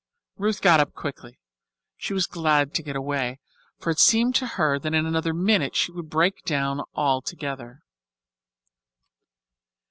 Ruth got up quickly. She was glad to get away, for it seemed to her that in another minute she would break down altogether.